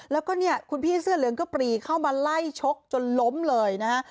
แล้วก็เนี่ยคุณพี่เสื้อเหลืองก็ปรีเข้ามาไล่ชกจนล้มเลยนะฮะ